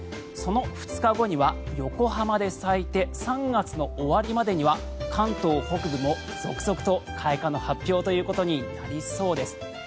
その２日後には横浜で咲いて３月の終わりまでには関東北部も続々と開花の発表ということになりそうです。